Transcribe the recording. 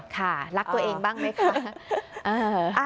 ค่ะรักตัวเองบ้างไหมคะ